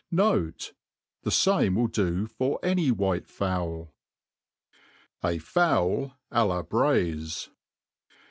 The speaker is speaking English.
Note, The fame will do for any white fowl* j{ Fo%ul a la Braife'.